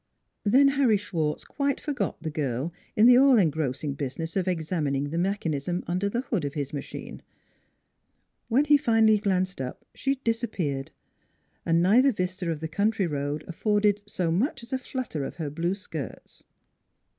Then Harry Schwartz quite forgot the girl in the all engrossing business of examining the mech anism under the hood of his machine. When he finally glanced up she had disappeared, and neither vista of the country road afforded so much as a flutter of her blue skirts.